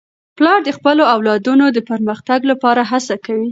پلار د خپلو اولادونو د پرمختګ لپاره هڅه کوي.